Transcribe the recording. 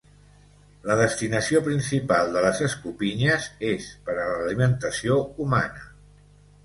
La destinació principal de les escopinyes és per a l'alimentació humana.